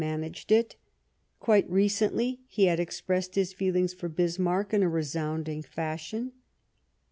anaged it. Quite recently he had expressed his feelings for Bismarck in a resounding fashion.